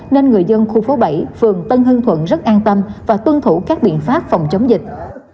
nên người dân khu phố bảy phường tân hương thuận rất an tâm và tuân thủ các biện pháp phòng chống dịch